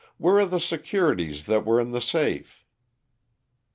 Where are the securities that were in the safe?"